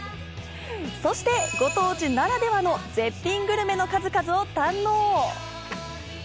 そしてご当地ならではの絶品グルメの数々を堪能。